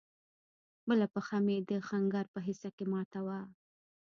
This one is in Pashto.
بله پښه مې د ښنگر په حصه کښې ماته وه.